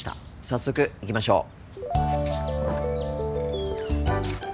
早速行きましょう。